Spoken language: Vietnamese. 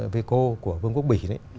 vco của vương quốc bỉ